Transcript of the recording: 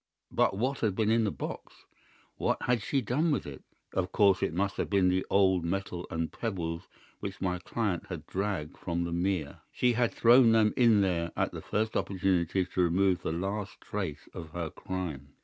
But what had been in the box? What had she done with that? Of course, it must have been the old metal and pebbles which my client had dragged from the mere. She had thrown them in there at the first opportunity to remove the last trace of her crime.